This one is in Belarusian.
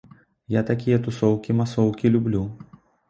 Я такія тусоўкі-масоўкі люблю.